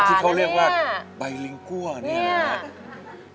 อ๋อที่เขาเรียกว่าใบลิงกั้วเนี่ย